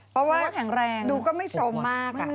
เพราะว่าดูก็ไม่สมมาก